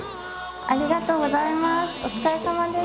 ありがとうございます。